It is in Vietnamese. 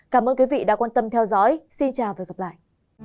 cảm ơn quý vị đã quan tâm theo dõi xin chào và hẹn gặp lại